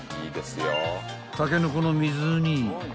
［タケノコの水煮］